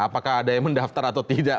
apakah ada yang mendaftar atau tidak